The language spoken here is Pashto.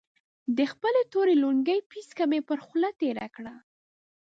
د خپلې تورې لونګۍ پيڅکه يې پر خوله تېره کړه.